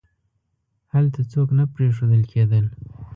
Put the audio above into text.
هلته څوک نه پریښودل کېدل.